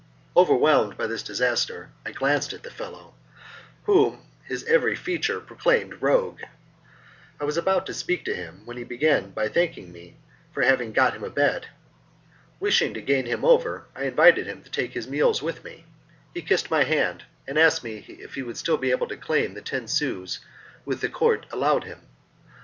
Overwhelmed by this disaster, I glanced at the fellow, whom his every feature proclaimed rogue. I was about to speak to him when he began by thanking me for having got him a bed. Wishing to gain him over, I invited him to take his meals with me. He kissed my hand, and asked me if he would still be able to claim the ten sous which the Court had allowed him.